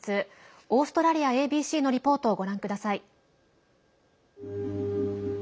オーストラリアＡＢＣのリポートをご覧ください。